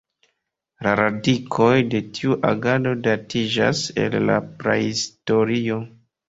La radikoj de tiu agado datiĝas el la Prahistorio.